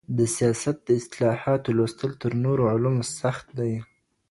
د سياست د اصطلاحاتو لوستل تر نورو علومو سخت دي.